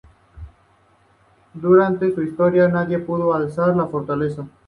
Durante su historia nadie pudo asaltar la fortaleza.